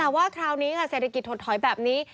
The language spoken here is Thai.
แต่ว่าคราวนี้ค่ะเศรษฐกิจถดถอยแบบนี้